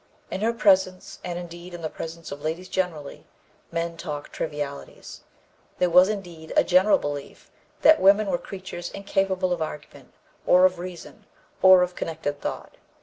In her presence, and indeed in the presence of ladies generally, men talk trivialities. There was indeed a general belief that women were creatures incapable of argument, or of reason, or of connected thought.